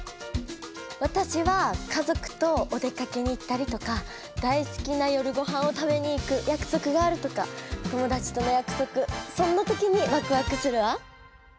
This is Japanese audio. わたしはかぞくとお出かけに行ったりとか大すきな夜ごはんを食べに行くやくそくがあるとかともだちとのやくそくそんなときにワクワクするわ。